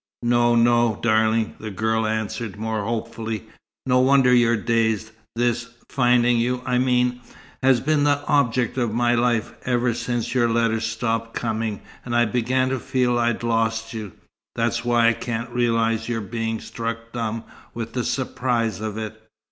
"No, no, darling," the girl answered, more hopefully. "No wonder you're dazed. This finding you, I mean has been the object of my life, ever since your letters stopped coming, and I began to feel I'd lost you. That's why I can't realize your being struck dumb with the surprise of it.